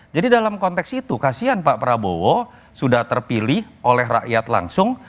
jadi dalam konteks itu kasihan pak prabowo sudah terpilih oleh rakyat langsung